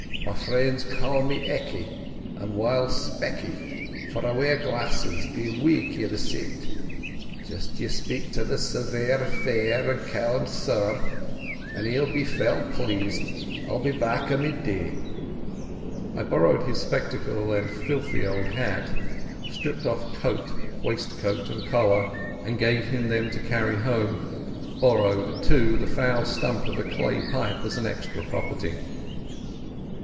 My freens ca' me Ecky, and whiles Specky, for I wear glesses, being waik i' the sicht. Just you speak the Surveyor fair, and ca' him Sir, and he'll be fell pleased. I'll be back or midday." I borrowed his spectacles and filthy old hat; stripped off coat, waistcoat, and collar, and gave him them to carry home; borrowed, too, the foul stump of a clay pipe as an extra property.